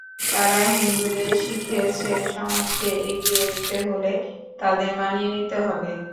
তারা হিন্দুদের শিখিয়েছে, সমাজকে এগিয়ে নিতে হলে তাদের মানিয়ে নিতে হবে।